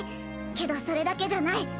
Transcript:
けどそれだけじゃない！